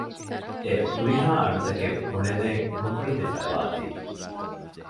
އެ ހުރިހާ އަޑުތަކެއް ބުނެދޭން ނުކުޅެދިފައިވާތީ